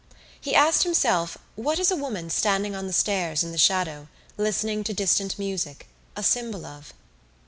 He asked himself what is a woman standing on the stairs in the shadow, listening to distant music, a symbol of.